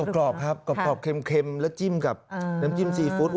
กรอบครับกรอบเค็มแล้วจิ้มกับน้ำจิ้มซีฟู้ด